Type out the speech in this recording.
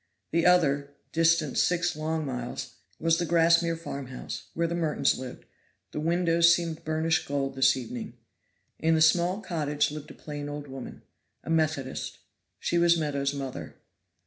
The other, distant six long miles, was the Grassmere farmhouse, where the Mertons lived; the windows seemed burnished gold this evening. In the small cottage lived a plain old woman a Methodist. She was Meadows' mother.